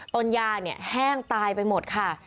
ต้นยาแห้งตายไปหมดค่ะ